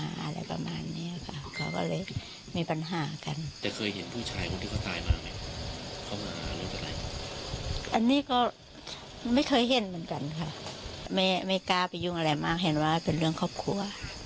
อันนี้ก็ไม่เคยเห็นเหมือนกันค่ะไม่ไม่กล้าไปยุ่งอะไรมากเห็นว่าเป็นเรื่องครอบครัว